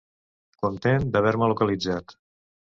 Content d'haver-me localitzat.